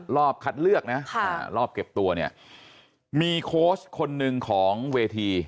คัดเลือกนะรอบเก็บตัวเนี่ยมีโค้ชคนหนึ่งของเวที